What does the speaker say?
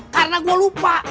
karena gue lupa